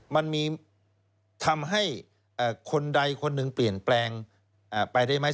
มันมีทำให้คนใดคนหนึ่งเปลี่ยนแปลงไปได้ไหม